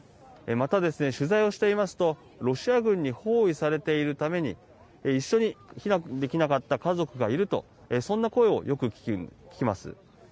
また、取材をしていますとロシア軍に包囲されているために一緒に避難できなかった家族がいるとそんな声をよく聞きます。